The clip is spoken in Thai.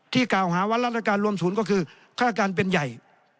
กล่าวหาว่ารัฐการรวมศูนย์ก็คือฆ่าการเป็นใหญ่